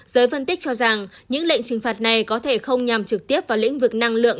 giới phân tích cho rằng những lệnh trừng phạt này có thể không nhằm trực tiếp vào lĩnh vực năng lượng